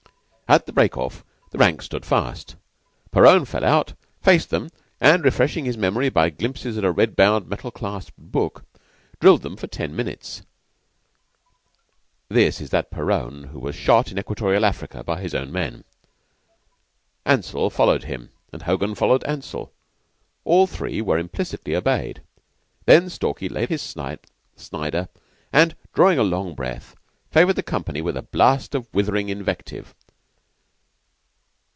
At the "break off" the ranks stood fast. Perowne fell out, faced them, and, refreshing his memory by glimpses at a red bound, metal clasped book, drilled them for ten minutes. (This is that Perowne who was shot in Equatorial Africa by his own men.) Ansell followed him, and Hogan followed Ansell. All three were implicitly obeyed. Then Stalky laid aside his Snider, and, drawing a long breath, favored the company with a blast of withering invective.